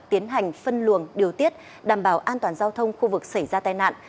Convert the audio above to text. tiến hành phân luồng điều tiết đảm bảo an toàn giao thông khu vực xảy ra tai nạn